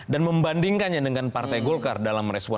dan membandingkannya dengan partai golkar dalam merespon